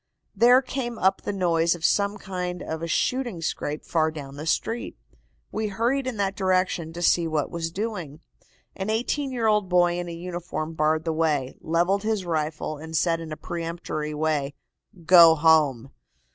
There came up the noise of some kind of a shooting scrape far down the street. We hurried in that direction to see what was doing. An eighteen year old boy in a uniform barred the way, levelled his rifle and said in a peremptory way: "'Go home.